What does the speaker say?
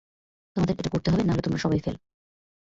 তোমাদের এটা করতে হবে নাহলে তোমারা সবাই ফেল।